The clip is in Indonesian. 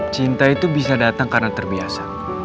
cinta itu bisa datang karena terbiasa